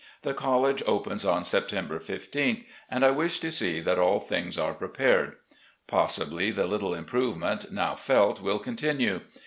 The college opens on Septem ber 15th, and I wish to see that all things are prepared. Possibly the little improvement now felt will continue.